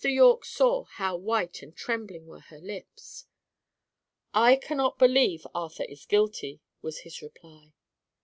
Yorke saw how white and trembling were her lips. "I cannot believe Arthur guilty," was his reply.